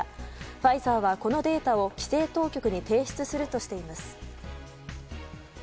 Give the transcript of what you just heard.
ファイザーはこのデータを規制当局に提出するとしています。